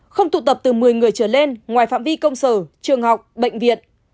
không tụ tập từ một mươi người trở lên ngoài phạm vi công sở trường học bệnh viện